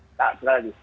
tidak sekali lagi